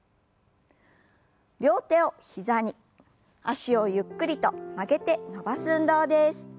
両手を膝に脚をゆっくりと曲げて伸ばす運動です。